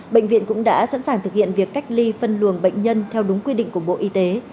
bệnh viện cũng đã sẵn sàng thực hiện việc cách ly phân luồng bệnh nhân theo đúng quy định của bộ y tế